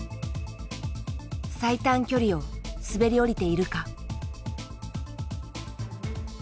最短距離を滑り降りているか。